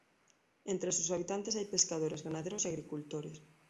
Entre sus habitantes hay pescadores, ganaderos y agricultores.